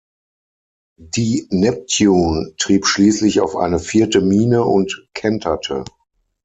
Die "Neptune" trieb schließlich auf eine vierte Mine und kenterte.